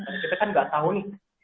karena kita kan nggak tahu nih